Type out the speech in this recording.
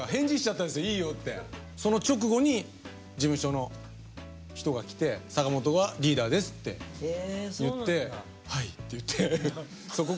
その直後に事務所の人が来て「坂本がリーダーです」って言って「はい」って言ってそこからリーダーに。